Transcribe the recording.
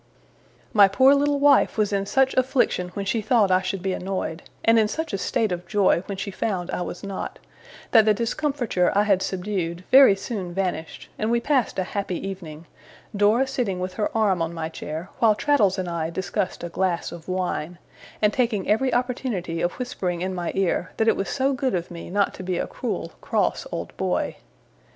My poor little wife was in such affliction when she thought I should be annoyed, and in such a state of joy when she found I was not, that the discomfiture I had subdued, very soon vanished, and we passed a happy evening; Dora sitting with her arm on my chair while Traddles and I discussed a glass of wine, and taking every opportunity of whispering in my ear that it was so good of me not to be a cruel, cross old boy.